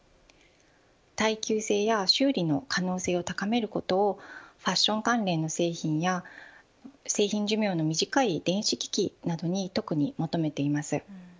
耐久性や修理の可能性を高めることをファッション関連の製品や製品寿命の短い電子機器などに特に求めています。